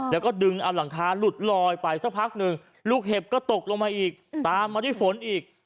แล้วก็ดึงเอาหลังคาหลุดลอยไปสักพักหนึ่งลูกเห็บก็ตกลงมาอีกตามมาด้วยฝนอีก